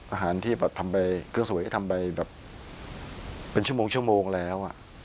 อาหารที่แบบทำไปเครื่องสวยก็ทำไปแบบเป็นชั่วโมงแล้ว